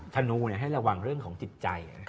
ธนูให้ระวังเรื่องของจิตใจ